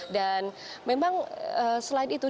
dan memang selain itu